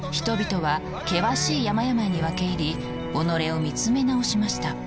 人々は険しい山々に分け入り己を見つめ直しました。